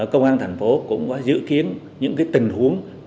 công an thành phố cũng có dự kiến những tình huống có thể xảy ra liên quan đến bầu cử